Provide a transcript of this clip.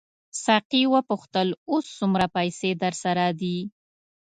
ساقي وپوښتل اوس څومره پیسې درسره دي.